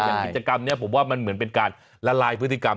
กิจกรรมนี้ผมว่ามันเหมือนเป็นการละลายพฤติกรรม